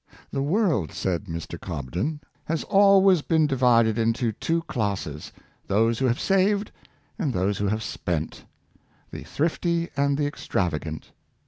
" The world," said Mr. Cobden, " has always been divided into two classes — those who have saved, and those who have spent — the thrifty and the extravagant.